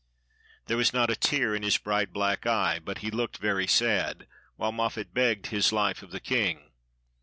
There was not a tear in his bright black eye, but he looked very sad; while Moffat begged his life of the king.